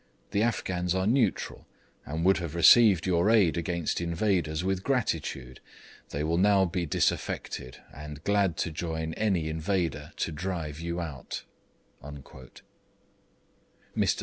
The Afghans are neutral, and would have received your aid against invaders with gratitude. They will now be disaffected, and glad to join any invader to drive you out.' Mr.